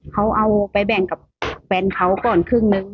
เขาเอาไปแบ่งกับแฟนเขาก่อนครึ่งนึง